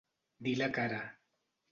Dir la cara.